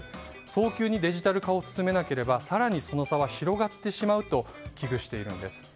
早急にデジタル化を進めなければ更にその差は広がってしまうと危惧しているんです。